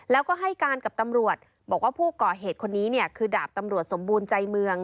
แล้วก็ให้การกับตำรวจบอกว่าผู้ก่อเหตุคนนี้เนี่ยคือดาบตำรวจสมบูรณ์ใจเมือง